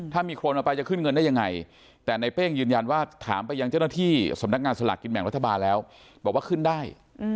ถ้ามีคนเอาไปจะขึ้นเงินได้ยังไงแต่ในเป้งยืนยันว่าถามไปยังเจ้าหน้าที่สำนักงานสลากกินแบ่งรัฐบาลแล้วบอกว่าขึ้นได้